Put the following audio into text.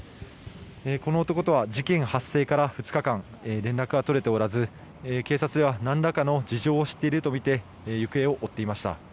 この男とは事件発生から２日間連絡は取れておらず警察では何らかの事情を知っているとみて行方を追っていました。